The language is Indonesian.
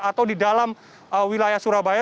atau di dalam wilayah surabaya